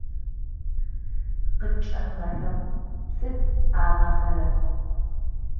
Къыткӏэныгъэхэм сыд агъахъэрэр?